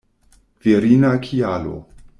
Virina kialo.